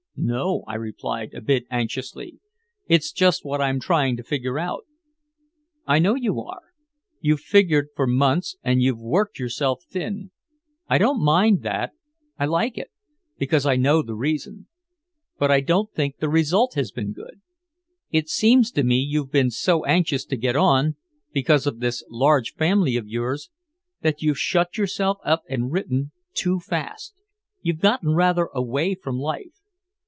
No," I replied, a bit anxiously. "It's just what I'm trying to figure out." "I know you are. You've figured for months and you've worked yourself thin. I don't mind that, I like it, because I know the reason. But I don't think the result has been good. It seems to me you've been so anxious to get on, because of this large family of yours, that you've shut yourself up and written too fast, you've gotten rather away from life.